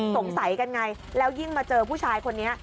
สงสัยกันไงแล้วยิ่งมาเจอผู้ชายคนนี้